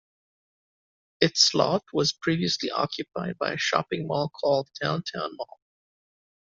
Its lot was previously occupied by a shopping mall called Downtown Mall.